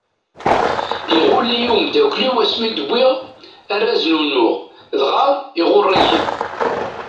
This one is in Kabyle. Iɣul-iyi umeddakel-iw asmi d-wwiɣ araz n unuɣ, dɣa iɣuṛṛ-iyi!